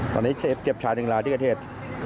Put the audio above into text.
ตอนนี้เก็บชายหนึ่งร้านที่ประเทศ